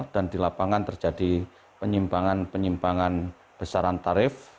dan di lapangan terjadi penyimpangan penyimpangan besaran tarif